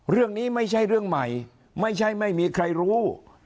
เรื่องนี้ไม่ใช่เรื่องใหม่ไม่ใช่ไม่มีใครรู้